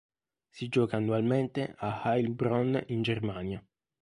Si gioca annualmente a Heilbronn in Germania.